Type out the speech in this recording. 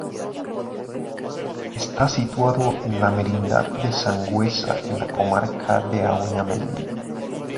Está situado en la Merindad de Sangüesa, en la Comarca de Auñamendi.